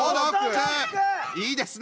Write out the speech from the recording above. いいですね